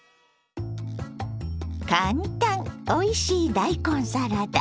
簡単おいしい大根サラダ。